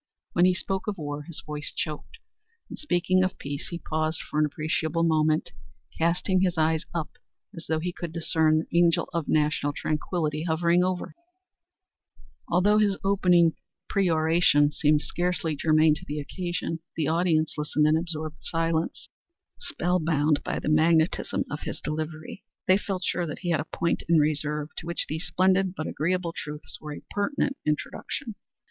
When he spoke of war his voice choked; in speaking of peace he paused for an appreciable moment, casting his eyes up as though he could discern the angel of national tranquillity hovering overhead. Although this opening peroration seemed scarcely germane to the occasion, the audience listened in absorbed silence, spell bound by the magnetism of his delivery. They felt sure that he had a point in reserve to which these splendid and agreeable truths were a pertinent introduction.